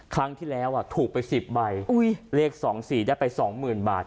ครั้งที่แล้วอ่ะถูกไปสิบใบเรียกสองสี่ได้ไปสองหมื่นบาท